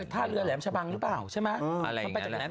ท่าเรือแหลมชะบังหรือเปล่าใช่ไหม